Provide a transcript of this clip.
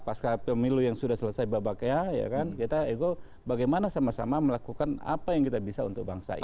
pasca pemilu yang sudah selesai babaknya ya kan kita ego bagaimana sama sama melakukan apa yang kita bisa untuk bangsa ini